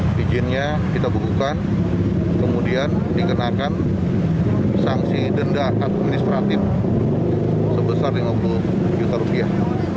izinnya kita bukukan kemudian dikenakan sanksi denda administratif sebesar lima puluh juta rupiah